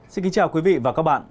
xin kính chào quý vị và các bạn